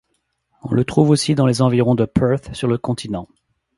On le trouve aussi dans les environs de Perth, sur le continent.